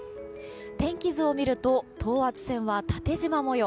天気図を見ると等圧線は縦じま模様。